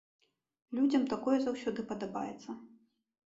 Людзям такое заўсёды падабаецца.